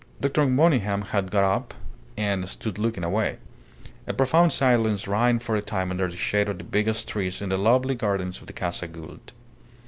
Dr. Monygham had got up and stood looking away. A profound silence reigned for a time under the shade of the biggest trees in the lovely gardens of the Casa Gould.